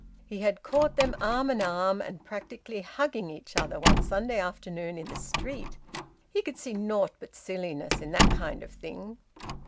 He had caught them arm in arm and practically hugging each other, one Sunday afternoon in the street. He could see naught but silliness in that kind of thing.